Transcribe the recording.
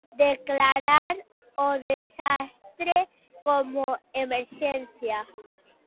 Declarar o desastre como "emerxencia".